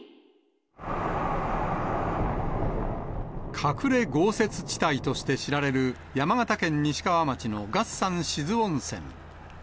隠れ豪雪地帯として知られる山形県西川町の月山志津温泉。